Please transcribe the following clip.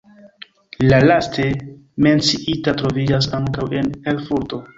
La laste menciita troviĝas ankaŭ en Erfurto.